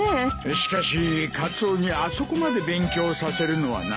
しかしカツオにあそこまで勉強させるのはなあ。